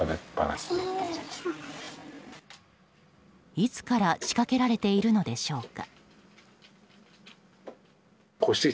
いつから仕掛けられているのでしょうか？